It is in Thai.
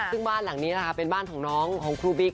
ซึ่งบ้านหลังนี้นะคะเป็นบ้านของน้องของครูบิ๊ก